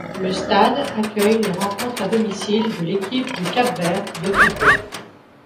Le stade accueille les rencontres à domicile de l'équipe du Cap-Vert de football.